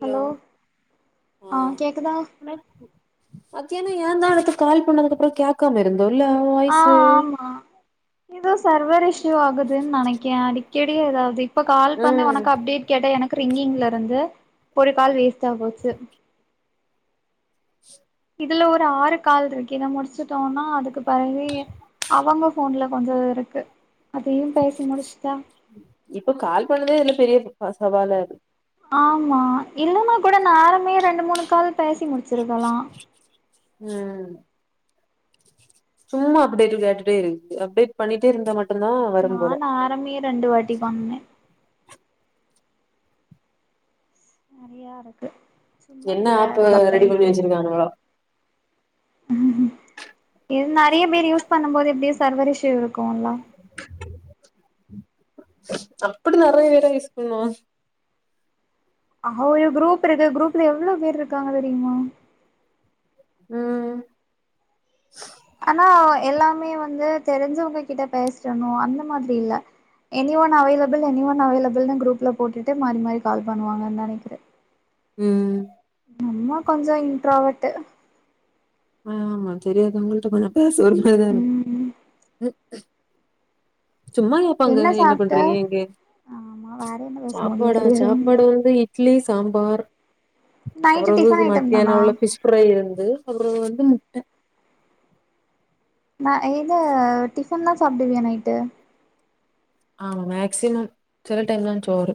Hello அ ஆ கேக்குதா மத்தியானா ஏந்தா அதுக்கு கால் பண்ணதுக்கு அப்றோ கேக்காம இருந் அ ஆமா எதோ சர்வர் இஷூ ஆகுதுன்னு நெனைக்கே அடிக்கடி எதாவ்து இப்ப கால் பண்ண ம் உனக்கு அப்டேட் கேட்ட எனக் கு ரிங்கிங்ல இருந்து ஒரு கால் வேஸ்டா போச்சு இதுல ஒரு ஆறு கால் இருக்கு இத முடிச்சுட்டோனா அதுக்கு பெறகு அவங்க ஃபோன்ல கொஞ்சோ இருக்கு அதையு பேசி முடிச்சுட்டா இப்ப கால் பண்ணதே இதுல பெரிய சவாலா இரு ஆமா இல்லானா கூட நானுமே ரெண்டு மூணு கால் பேசி முடிச்சிருக்கலா ம் சும்மா அப்டேட் கேட்டுட்டே இருக்கு அப்டேட் பண்ணிட்டே இருந்தா மட் நா ஆறுமே ரெண்டு வாட்டி பண்ணே நெறயா இருக்கு சும்மா என்ன இது வேற ஆப்பு ரெடி பண்ணி பக்காயிட்டே இருக்கு வெச்சிருக்காங்களோ இது நெறைய பேர் யூஸ் பண்ணு போது எப்டியு சர்வர் இஷ்யூ இருக்கும்லா அப்பிடி நெறைய பேரா யூஸ் பண்ணுவா அ ஒரு குரூப் இருக்கு குரூப்ல எவ்ளோ பேர் இருக்காங்க தெரியுமா ம் ஆனா எல்லாமே வந்து தெரிஞ்சவங்க கிட்ட பேசணு அந்த மாதிரி இல்ல any one available any one அவைலபிள்னு குரூப்ல போட்டுட்டு மாறி மாறி கால் பண்ணுவாங்கன்னு நெனைக்கிற ம் நம்ம கொஞ்சோ இன்ட்ரோவெட்டு அ ஆமா தெரியாதவங்க கிட்ட கொஞ்சோ பேச ஒரு மாரிதா இரு ம் சும்மா கேட்பாங்க என்ன பண்றீங்க எங்க ஆமா வேற என்ன பேச முடியு சாப்பாடா தெரியாது சாப்பாடு வந்து இட்லி சாம்பார் அப்பற நைட்டு டிஃபன் ஊகு ஐட்டம் மத்தியான தானா உள்ள பிஷ் ஃப்ரை இருந்து புறோ வந்து முட்ட நா எது டிஃபன்லா சாப்டுவியா நைட்டு ஆம மேக்சிமம் சில டைம்லா சோறு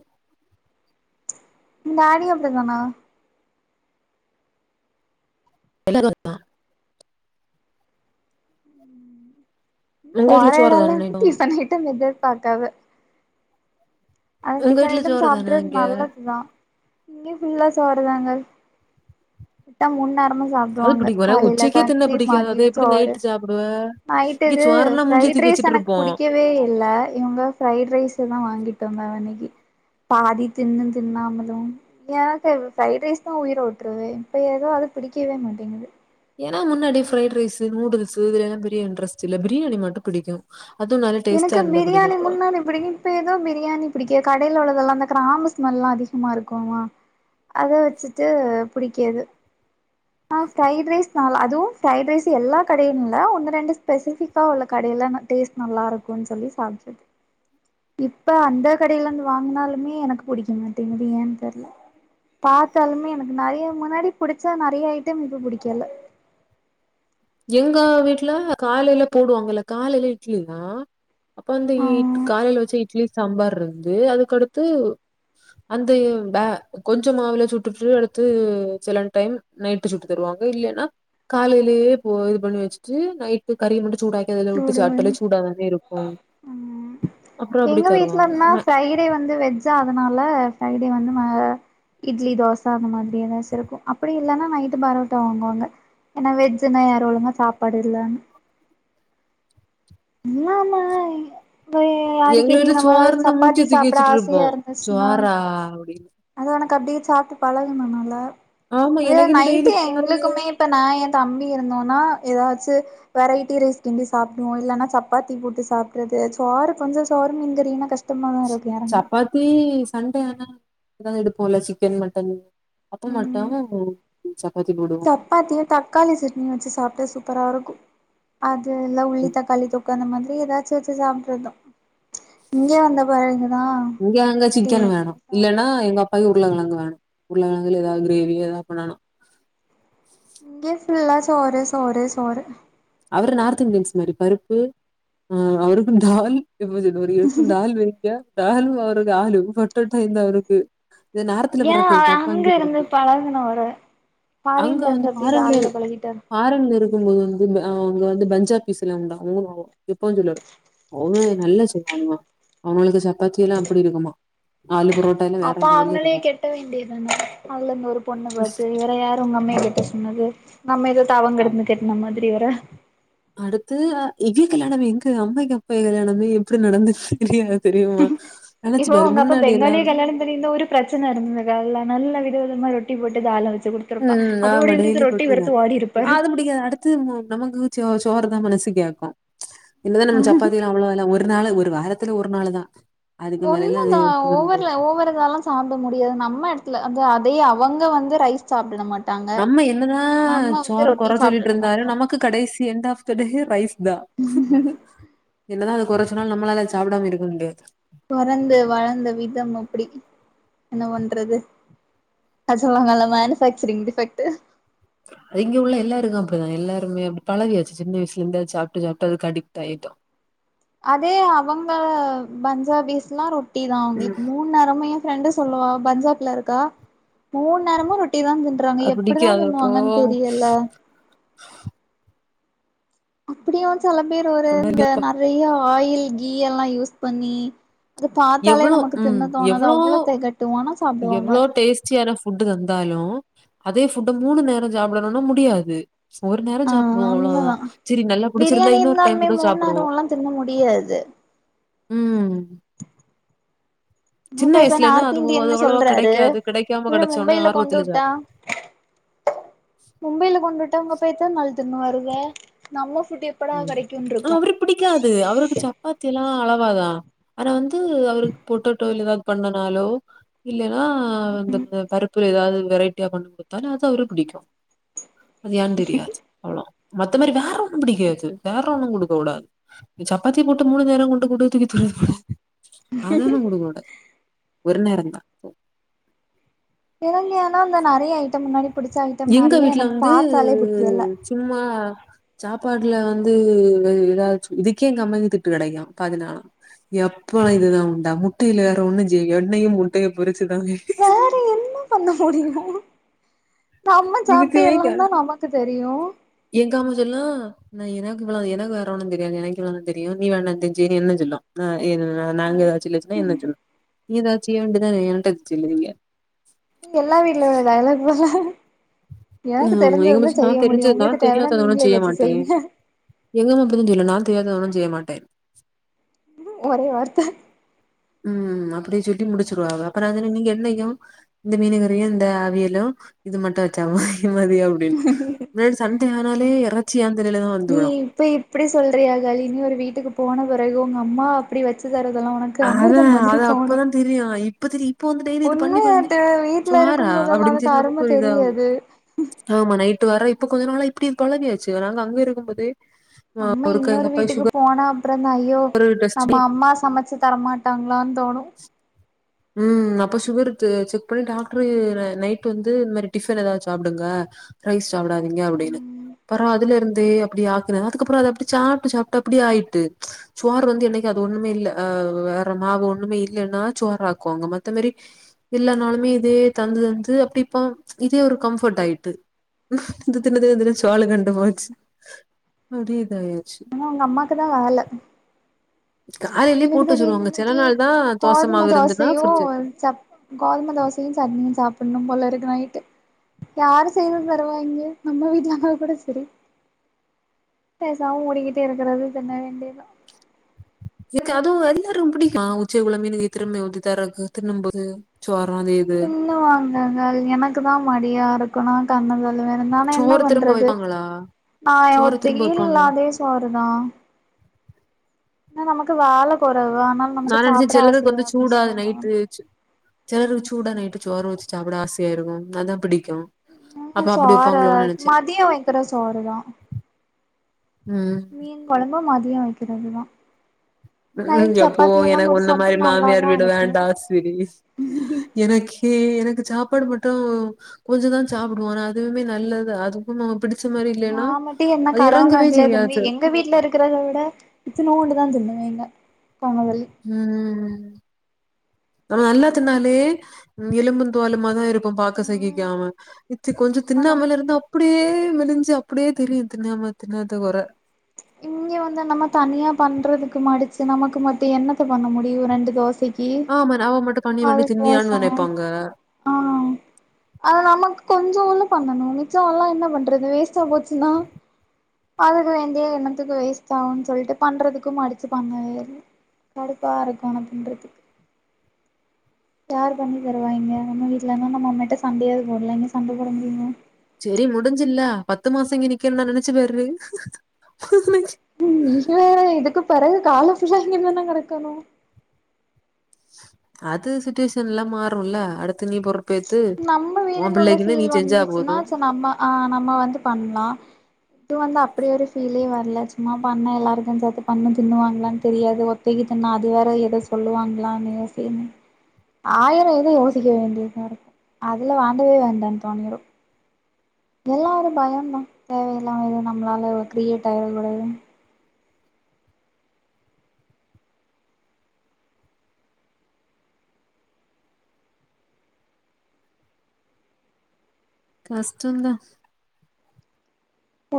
நேடி அப்டி தானா [inaudible] உங்க போற வீட்ல சோறு எடொல்ல தான நைட்டும் குட்டீஸ் தனி ஹெட்டம் எதுர்பாக்காது அது உங்க டிபன் வீட்ல ஐட்டம் சோறு தானா சாப்ட்றது இங்க நல்லதுதா இங்யு ஃபுல்லா சோறுதாங்க விட்டா மூண் நேரமு அது சாப்டுவாங்க பிடிக்கும் எனக்கு காலைல உச்சைக்கே தின்ன கஞ்சி பிடிக்காது மதிய அது எப்படி சோறு நைட்டு சாப்பிடுவ இங்க நைட்டுகு சோறுனா மூஞ்சிய ஃபிரைட் தூக்கி ரைஸ் வச்சிட்டு எனக்கு இருப்போம் புடிக்கவே இல்ல இவுங்க ஃபிரைட் ரைஸுதா வாங்கிட் கம்மாவ இன்னக்கி பாதி தின்னு தின்னாமலு எனக்கு ஃபிரைட் ரைஸ்னா உயிர உட்ருது இப்ப எதோ அது பிடி புடிக்கவே மாட்டேங்குது ஏனா முன்னடி ஃபிரைட் ரைஸு நூடுல்ஸு இதுலயெல்லா பெரிய இன்ரஸ்ட் இல்ல பிரியாணி மட்டு பிடிக்கு எனக்கு பிரியாணி முன்னாடி பிடிக்கு இப்ப ஏதோ பிரியாணி பிடிக்க கடைல உள்ளதல்லா இந்த க்ராம்பு ஸ்மல்லா அதிகமா இருக்கோமா அத வெச்சுட்டு புடிக்கேது அ ஃபிரைட் ரைஸ் நாள் அதுவு ஃபிரைட் ரைஸ் எல்லா கடையு இல்ல ஒன்னு ரெண்டு ஸ்பெசிஃபிக்கா உள்ள கட் டே இல்லன டேஸ்ட் நல்லாருக்குன் சொல்லி சாப்ட்ருக் இப்ப அந்த கடையிலேந்து வாங்னாலுமே எனக்கு புடிக்க மாட்டேங்குது ஏன் தெர்ல பாத்தாலுமே எனக்கு நறய முன்னாடி புடிச்சா நறிய ஐட்டம் இப்ப புடிக்கல [inaudible] உங்க வீட்ல காலைல போடுவாங்கல்ல காலைல இட்ல தா அப்ப வந்து ஆ ஈட் காலைல வச்ச இட்லி சம்பார்ருந்து அதுக்கடுத்து அந்த இவ் பே கொஞ்ச மாவில சுட்டுட்டு அடுத்து சிலன் டைம் நைட்டு சுட்டு தருவாங் இல்லேனா காலைலேயே போ இது பண்ணி வச்சுட்டு நைட்டு கறி மட்டு சூடாக்கதுல உட்டு சாப்ட்டலே சூடுமணி சூடாதானே இருக்கு ம் எங்க வீட்லன்னா ஃபிரை டே வந்து வெஜ்ஜா அதுனால ஃபிரை டே வந்து ம இட்லி தோச அந்த மாதுரி ஏதாச்சு இருக்கு அப்படி இல்லனா நைட்டு பரோட்டா வாங்குவாங்க எனா வெஜ்ஜினா யாரு ஒழுங்கா சாப்பாடு இல்லனு இல்லா மாய் வே எங்க அடிக்கடி வீட்ல நம்ம சோறுன்னா சப்பாத்தி மூஞ்சிய தூக்கி சாப்புட வச்சுட்டு ஆசயா இருப்போம் இருந்துச்னா சோறா அப்படின்னு எனக்கு அப்டியே சாப்ட்டு பழகுன நல ஆமா வே எனக்கு இன்னும் நைட்டு டெய்லி சோறு எங்ளுக்குமே இப்ப நா என் தம்பி இருந்தோனா ஏதாச்சு வெரைட்டி ரைஸ்கிண்டி சாப்டுவோ இல்லனா சப்பாத்தி போட்டு சாப்ட்றது சோறு கொஞ்ச சேறு மீன்கறினா கஷ்டமாதா இருக் சப்பாத்தி சண்டே ஆன எதா எடுப்போல்ல சிக்கன் மட்டன் அப்ப மட்டோ ஒ தப்பாத்தியு தக்காளி சட்னி வச்சு சாப்பிட்ட சூப்பரா இருக்கு அது ல உள்ளி ம். தக்காளி தொ அந்த மாதிரி ஏதாச்சு வச்சு சாப்ட்றத்தா இங்கே வந்த பழகு இங்க அங்த சிக்கன் வேணு இல்லனா எங்க அப் பயு உர்ளகழங்கு வேணு உர்ளகழங்குல ஏதாவு கிரேவி ஏதா பண்ணனு இங்க ஃபுள்ள சோறு சோறு சோறு அவுரு நார்த் இந்தியன்ஸ் மரி பருப்பு அ அவுருக்கு தால் இப் கொஞ்ச இது ஒரு இருக்கு தால் வெய்ங்க தாலு அவரு காலு பொட்டட்டோ இந்த அவ்ருக்கு இத நார்த்துல ஏன் பொறக்குது தப்பாங் அங்க இருந்து கெக்கறது பழகுனவரு அங்க ஃபாரின்ல வந்து இருந்து அப்டி பாரங்ளே தாராள பழகிட்டாரு பாரங் இருக் தும்மே அவுங்க வந்து பஞ்சா பீஸ் எல்லா உண்டா ஓ ஆவொ இப்போஞ்சொல்லியோட அவனு நல்ல செய்வானுவா அவுன்ளுக்கு சப்பாத்தி எல்லா அப்புடி இருக்குமா ஆலு பரோட்டா எல்லாம் வேற அப்ப லெவல்ல அவுங்களே இருக்கும் கெட்ட வேண்டிய தான அதுல இருந்து ஒரு பொண்ணு பாத்து வேற யார் உங்க அம்மைய கெட்ட சொன்னது து நம்ம ஏதோ தவங் அ- கெடந்து கெட்ன மாதிரி வேர அடுத்து அ இவே கல்யாணமே எங்க அம்மைக்கி அப்பக்கி கல்யாணமே எப்டி நடந்துச்சி தெரிய தெரியுமா நினைச்சு இப்போ பாரு உங்க அப்பா முன்னாடி பெங்காலிய எல்லாம் கல்யாணம் பண்ணியிந்தா ஒரு பிரச்சன இருந்துருக்காதுல்ல நல்ல விதவி தமா ரொட்டி போட்டு தால வச்சு குடுத்துருப்பா ம் அதோட ஆமா டெய்லி இவருக்கு ரொட்டி ரொட்டிதா வெறுத்து ஓடி ஆ இருப்பாரு அது புடிக்காது அடுத்து உ நமக்கு சோ சோறு தான் மனசுக்குேக்கூ என்னதா நம்மளுக்கு சப்பாத்தியில அவ்ளோ எல்லா ஒரு ஒரு நாளு ஒரு வாரத்துல ஒரு நாளு தான் அதுக்கு மேலலாம் அது ஒண்ணுதா திண்ண முடியாது ஒவ்வொருல ஒவ்வொரு இதாலாம் சாப்ட முடியாது நம்ம எடத்துல வந்து தையை அவங்க வந்து ரைஸ் சாப்டுன மாட் நம்ம என்னதா சோறு கொற சொல்லிட்டு சாப்ட இருந்தாலு மாட்டோ நமக்கு கடைசி end of the day rice உஹ என்னதா அத கொற சொன்னாலு நம்மளால அத சாப்டாம இருக்க முடியாது பொறந்து வளந்த விதம் அப்டி என்ன பண்றது அ சொல்லுவாங்கல்ல மேனுஃபேக்சரிங் டிஃபக்டு இங்க உள்ள எல்லாருக்கு அப்டிதா எல்லாருமே அப்டி பழவியாச்சி சின்ன வயசுல இருந்து சாப்ட்டு சாப்ட்டு அதுக்கு அடிக்ட் ஆயிட்டோ அதே அவங்க பஞ்சாபிஸ்ல்லா ரொட்டி தா ம். அவங்களுக்கு மூணு நேரமையு ஃப்ரெண்டு சொல்லுவா பஞ்சாப்ல இருக்கா மூண் நேரமு ரொ ட்டி தான் திண்றாங்க அது எப்டிதா பிடிக்காதப்போ திண்வாங்கன்னு தெரியல [inaudible] அப்டியு செல பேர் ஒரு இந்த நறைய ஆயில் கீ எல்லா யூஸ் பண்ணி அது பாத்தாலே எவ்ளோ நமக்கு ம் தின்ன தோணாது எவ்ளோ அவ்ள தெகட்டு ஆனா சாப்டுவாங்க ஃபுட்டு் தந்தாலு அதே ஃபுட்டு மூணு நேரொ சாப்பிடணுன்னா முடியாது ஒரு நேரொ ஆ சாப்டுவோ உண்மதா அவ்ளவுதான் செரி நல்லா புடிச்சிருந்தா பிரியாணி இன்னொரு டைம் இருந்தாலுமே கூட மூணு சாப்டுவோ நேரோல்லா தின்ன முடியாது [unintelligible] ம் சின்ன அப்பா இப்ப வயசுலனா நார்த் அது அது இந்தியன்னு அவ்ளவா சொல்றாரு கெடைக்காது கெடைக்காம இவுரு கெடச்சோனே மும்பையில கொண்டு ஆர்வத்துல வுட்டா சாப் மும்பையில கொண்டு விட்டா உங்க அப்பா எத்தன் நாள் தின்னுவாரு இத நம்ம ஃபுட் எப்படா ம் கெடைக்குன்னு இருக்கு அவரு பிடிக்காது அவருக்கு சப்பாத்தி எல்லா அளவாதான் ஆனா வந்து து அவருக்கு பொட்டேட்டோல ஏதாவ்து பண்ணனாலோ இல்லைன்னா இந்த பருப்புல ஏதாவ்து வெரைட்டியா பண்ண கொடுத்தாலு அது அவரு புடிக்கூ அது ஏன்னு தெரியாது அவ்ளோ மத்த மாரி வேற ஒன்னும் பிடிக்காது து வேற ஒண்ணு குடுக்க கூடாது சப்பாத்தி போட்டு மூணு நேரோ கொண்டு குடு தூக்கி தூர போட் அதெல்லா குடுக்கூடாது ஒரு நேரந் தா போ இறன்யானா அந்த நறைய ஐட்டம் முன்னாடி பிடிச்ச ஐட்டம் எங்க நெறைய வீட்ல எனக்கு வந்து பாத்தாலே பிடிக்கல சும்மா சாப்பாட்டுல வந்து ஏதாச்சு இதுக்கே எங்கம்ம திட்டு கெடைக்கூ பாதினாளா எப்பா இதுதான் உண்டா முட்டையில வேற ஒண்ணு செய் எண்ணையும் முட்டைய பொரிச்சுதா செய் வேற என்ன பண்ண முடியு நம்ம சாப்பிட்டி இதுக்குமே எல்லா தான் நமக்கு தெரியு நா எனக்கு இவளா எனக்கு வேர ஒன்னந் தெரியாது எனக்கிவ்ளதா தெரியு நீ வேணா தெரிஞ்சி என்ன சொல்லும் ஏ நாங்க ஏதாச்சு இச்சுனா என்னச் சொல்லும் நீ ஏதாச்சி செய்ய வேண்டியதான என்ட்ட [unintelligible] நீ எல்லா வீட்ல உள்ள டயலாக் போல எனக்கு ஆமா, எங்க தெரிஞ்சதுதா மச்சி நான் செய்ய முடியு தெரிஞ்சது உங்களுக்கு தேவனா நீங்களே வச்சு செய்ங்க எங்க அம்மா அப்டிதா சொல்லு நா தெரியாதத செய்ய மாட்டேன் ஒரே வார்த்த ம் அப்டி சொல்லி முடிச்சிருவாவ அப்ப நா சொன்ன நீங்க எந்தையு இந்த மீனகறியு இந்த அவியலும் இது மட்டு வச்சா ம மதிய அப்டின்னு முன்னாடி சண்டே ஆனாலே எற நீ இப்ப இப்டி சொல்றியா கலி நீ ஒரு வீட்டுக்கு போன பிறகு உங்க அம்மா அப்டி வச்சு தரதெல்லா ஓனக்கு அதா அமிர்தம் மாதிரி தோணும் இப்போ வந்து டெய்லி இது பண்ணி பண்ணி வீட்ல சோறா இருக்கும் போதெல்லா அப்டின்னு அதுக்கு சொல்ல அரும நமக்கு ஒரு இதாகு தெரியாது ஆமா நைட்டு வர இப்ப கொஞ்ச நாள இப்டி பழகியாச்சு அதனால அங்க இருக்கும்போதே அம்மை இன்னொரு வீட்டுக்கு போனா அப்புறந்த ஐயோ சுகர் டெஸ்ட் நம்ம அம்மா சமைச்சு தரமாட்டாங்களானு அனு ம் அப்ப சுகர் செ செக் பண்ணி டாக்டரு ந நைட் வந்து இந்த மாரி டிஃபன் ஏதாவ சாப்பிடுங்க ரைஸ் சாப்படாதீங்க அப்டின்னு ம் பெற அதுல இருந்தே அப்டி ஆக்கினது அதுக்கப்புற அது அப்டி சாப்பட்டு சாப்பிட்டு அப்டி ஆயிட்டு சோறு வந்து என்னைக்கு அதோ ஒ ஒண்ணுமே இல்ல அ வேற மாவு ஒண்ணும்மே இல்லேன்னா சோறாக் குவாங்க மத்த மாரி இல்லனாலுமே இதே தந்து தந்து அப்டி இப்ப இதே ஒரு கம்ஃபர்ட் ஆயிட்டு இது தின்னு தின்தின்னு சோள கண்டு போச்சு அப்டியே இதாயி ஆனா உங்க அம்மாக்கு தா வேல காலையிலயே எனக்கு போட்டு தெரியல வச்சுருவாங்க. சில இன்னக்கி நாள் தான் தோச கோதுமை மாவு இருந்துன்னா தோசையையு ஃப்ரிட்ஜ் சப் கோதுமை தோசையு சட்னியு சாப்பிடணு போல இருக்கு நைட் யாரு செய்து தருவா இங்கே நம்ம வீட்டலாம கூட சரி ! ! ! ! ! ! ! ! ! ! எனக்கு அதுவு அதிக ரொம்ப புடிக்கு நா உச்சை குழம்பின்னு கேக்க திரும்ப உத்தி தரகு தின்னும் போது தின்னு வாங்கங்கள் எனக்கு தா மடியா இருக்கு நா கண்ணத இல்ல வேற என்னானா என்ன சோறு திரும்ப பண்றது வைப்பாங்களா ஆ எ சோற திரும்ப ஒருத்திக்கி இல்ல வைப்பாங்களா அதே சோறுதா இன்ன நமக்கு வேல கொறவுதா அதனால நா நமக்கு நெனச்சே சாப்பிட சிலருக்கு ஆசைைய இருச்சின்னு எதோ ஒன்னு செலருக்கு சூட்டா நைட்டுக்கு சோறு வச்சு சாப்பட ஆசையா இருக்கு அது அப்டி நா சோறு வைப்பாங்களோன்னு நெனச்சே மதியோ வெக்கிற சோறுதா ம் மீன் கொழம்ப மதியோ வெக்கிறதுதா ம்ஹூம் எப்போ எனக்கு ஒன்ன மாரி மாமியார் நல்லாதா வீடு இருக்கு வேண்டா ஸ்வீட்டி எனக்கே எனக் சாப்பாடு மட்டு கொஞ்ச தா சாப்பிடுவோ ஆனா அதுவுமே நல்லது அதுக்கு ந நா மட்டு என்ன கடவகணக்கிலயா தின்னே செய்யாது எங்க வீட்டுல இருக்கத விட இத்துனுண்டு தா தின்னே நீங்க போன வெள்ளி ம் நம்ம நல்லதின்னாலே ம் எலும்பு தோலுமாதா இரு ப்போ பாக்க ம் சகிக்காம இச்சி கொஞ்சோ உண்மதா தின்னாமல இருந்து அப்டியே யே மேலிஞ்சு அப்டியே தெரியுது நம்ம தின்னாத கொற இம் இங்கே வந்து நம்ம தனியா பண்றதுக்கு மடிச்சு நமக்கு மத்து எண்ணத்தை பண்ண முடியு ரெண்டு தோசைக் கி ஆமா அவ மட்டும் பண்ணி பண்ணி அது பேச தின்னியான்னு நெனைப்பாங்க. ஆ அத நமக்கு கொஞ்சோபோலு பண்ணணு மிச்சா ஆல்லா என்ன பண்றது வேஸ்டா போச்சினா அதுக்கு என் இதே என்னத்துக்கு வேஸ்ட் ஆவுன் சொல்லிட்டு பண்றதுக்கும் அடிச்சி பண்ண வேரு கடுப்பா இருக்கு ஆனா பின்றதுக்கு யாரு பண்ணி தருவா இங்க நம்ம வீட்ல இருந்தா நம்ம அம்மையிட்டே சண்டயேது போடல இங்க சண்ட போட முடியுமா சேரி முடிஞ்சில்லா பத்து மாச இங்கே நிக்கனுனா நெனைச்சி பாரு ம் நீ வேற இதுக்குப் பெறகு காலம் ஃபுல்லா இங்கதானே கெடக்கணு அது சுட்டுவேஷன் எல்லா மாறுல்ல அடுத் பொறுப்பேத்து நம்ம வீடுனு உள்ள பிள்ளைக்குன்னு நீ சீல் செஞ்சா வந்துச்சின்னா போதும். சே நம்ம ஆ நம்ம வந்து பண்லா இது வந்து அப்டியே ஒரு ஃபீலே வரல சும்மா பண்ண எல்லாருக்கு சேத்து பண்ணு தின்னுவாங்களான்னு தெரியாது ஒத்தைக்கு தின்னா அது வேற எதே சொல்லுவாங்களான்னு யோசின் ஆயிர இது யோசிக்க வேண்டியது கரக்ட் அதுல வாண்டவே வேண்டான்னு தோணிரு எல்லா ஒரு பயோந்தா தேவ இல்லாம எது நம்மளால ஒரு கிரியேட்டாயிரக் கூடாதுன்னு கஷ்டதா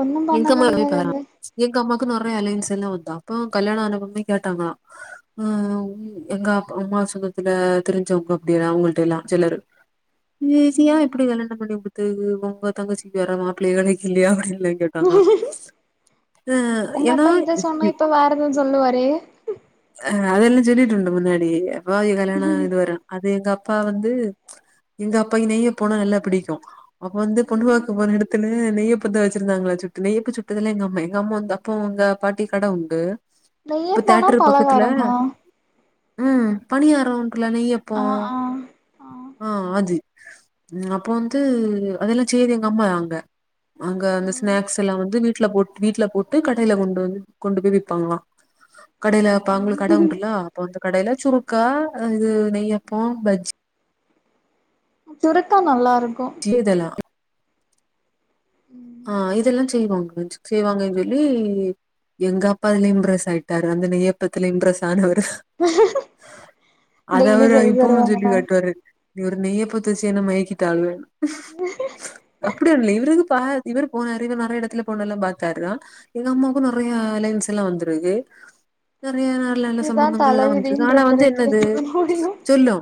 ஒன்னும் பண்ண எங்கம்மா [unintelligible] பாறு முடியாதுங்க எங் எங்க அம்மாக்கு நெறைய அலையன்ஸ் எல்லா வந்தா அப்போ கல்யாண ஆன மும்பே கேட்டாங்களா அ உ எங்க அப்பா அம்மா சொந்தத்தில தெரிஞ்சவங்க அப்டியே அவ்கள்ட எல்லா சிலரு இசியா எப்டி கல்யாணோ பண்ணி குடுத்ததுக்கு உங்க தங்கச்சிக்கு வர மாப்பிள்ள கவனிக்க இல்லையா அப்டி இல்ல தங்கோ ஆ ஏனா யூ சொல்லுவாரே அ அதெல்லா சொல்லிட்டு உண்டு முன்னாடி எப்போ கல்யாண இதுவர அது எங்கப் அப்பா வந்து எங்க அப்பாய் நெய்ய போனா நல்லா புடிக்கு அப்போவந்து ம் பொண்வாக்கு போ எடுத் தின்னு நெய்யபத்த வச்சிருந்தாங்களா சுட்டு நெய்யப்பே சுட்டுதில் எங்க அம்ம எங்க அம்மோ வந்து அப்போ அங்க பாட்டி கட உண்டு நெய்யி இப்ப போனா பலகாரமா அ பணியாரோகுள்ள நெய்யப்போ ஆ ஆ ஆ அது உம் அப்போ வந்து அதெல்லா செய்து எங்க அம்மாய அங்க அங்க அந்த ம் ஸ்நாக்ஸ் எல்லா வந்து வீ ட்ல போட் வீட்ல போட்டு கடேல கொண்டு வந்து கொண்டு போய் விப்பாங்களா கடே அப்ப அவங்களுக்கு கட உண்டுலா அப்ப அந்த கடைலே சுருக்கா இது நெய்யப்போ பஜ்ஜி சுருக்கா நல்லா இருக் சியேதலா ஆ இதெல்லா செய்வோன் [unintelligible] செய்வாங்க சொல்லி எங்க அப்பாதுலய இம்ப்ரெஸ் ஆயிட்டாரு அந்த நெய்ப்பத்திலே இம்ப்ரெஸ் ஆனவர் அத டெய்லி அவர செய்து இப்பவு சொல்லி தருவாங்கல்ல காட்டுவாரு ஒரு நெய்யப்பத செய்ன மயக்கிட்டாளுக அப்டியா நெய்வ்றது பா இவர் போனாரு இவர் நறைய இடத்துல பெண்ணேல எல்லா பாத்தாருதா எங்க அம்மாக்கு நறைய அலையன்ஸ் எல்லா வந்துருகே நறைய நல்ல நல்ல இதுதா சம்பந்தங்கள் எல்லா வந்தது தலவிதின்னு ஆனா வந்து இருந்திருக்கே என்னது முடியு சொல்லு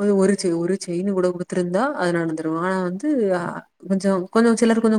ஒரு ஒரு ஒரு செயின் கூட குடுத்துருந்தா அது நடந்துரு ஆனா வந்து அ ஆ கொஞ்சோ கொழு சிலரு கொஞ்சோ